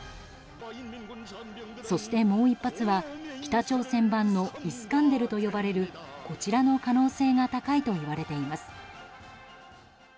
そして、もう１発は北朝鮮版のイスカンデルと呼ばれるこちらの可能性が高いといわれています。